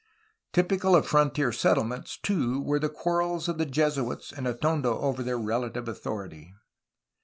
' Typical of frontier settlements, too, were the quarrels of the Jesuits and Atondo over their relative authority.